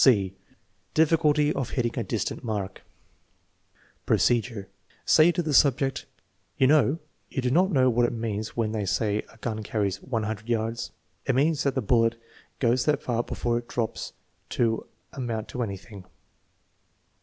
(c) Difficulty of hitting a distant mark Procedure. Say to the subject: " You know, do you not 9 what it means when they say a gun 'carries 100 yards '? It means that the bullet goes that far before it drops to amount to anything."